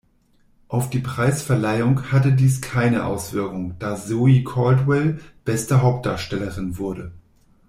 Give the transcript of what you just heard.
Auf die Preisverleihung hatte dies keine Auswirkung, da Zoe Caldwell beste Hauptdarstellerin wurde.